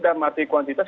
dan mati kuantitas